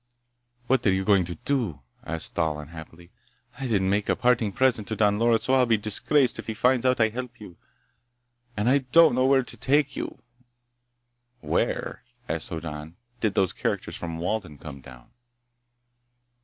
"What are you going to do?" asked Thal unhappily. "I didn't make a parting present to Don Loris, so I'll be disgraced if he finds out I helped you. And I don't know where to take you." "Where," asked Hoddan, "did those characters from Walden come down?"